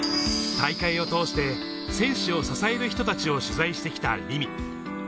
大会を通して選手を支える人たちを取材してきた凛美。